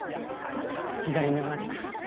左に同じく。